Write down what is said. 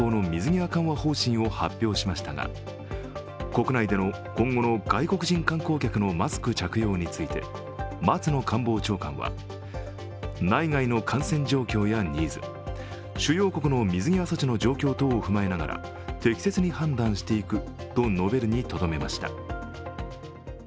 国内での今後の外国人観光客のマスク着用について松野官房長官は、内外の感染状況やニーズ、主要国の水際措置の状況等を踏まえながら、適切に判断していくと述べるにとどめました。